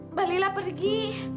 mbak lila pergi